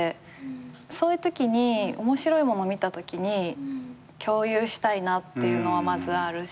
そういうときに面白いもの見たときに共有したいなっていうのはまずあるし。